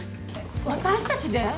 私たちで！？